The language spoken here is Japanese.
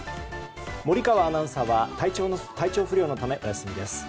森川アナウンサーは体調不良のため、お休みです。